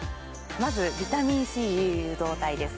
まずビタミンＣ誘導体です